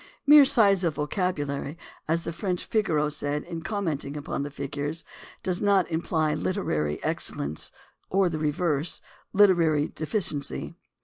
Mere size of vocabulary, as the French Figaro said in commenting upon the figures, does not imply literary excellence, or the reverse — literary deficiency.